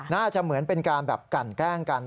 น่าจะเหมือนเป็นการแก่งกัน